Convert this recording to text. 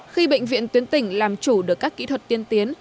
khi bệnh viện tuyến tỉnh làm chủ được các kỹ thuật tiên tiến